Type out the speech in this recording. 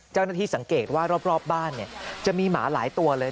เจ้าหน้าที่สังเกตว่ารอบบ้านจะมีหมาหลายตัวเลย